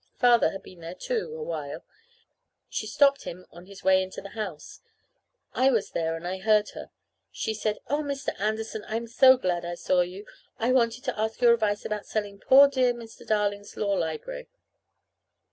Father had been there, too, awhile. She stopped him on his way into the house. I was there and I heard her. She said: "Oh, Mr. Anderson, I'm so glad I saw you! I wanted to ask your advice about selling poor dear Mr. Darling's law library."